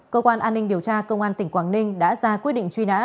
cơ quan an ninh điều tra công an tỉnh quảng ninh đã ra quyết định truy nã